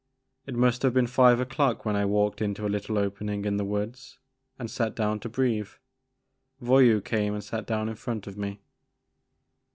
It must have been five o'clock when I walked into a little opening in the woods and sat down to breathe. Voyou came and sat down in front of me.